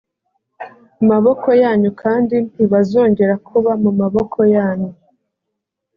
maboko yanyu kandi ntibazongera kuba mu maboko yanyu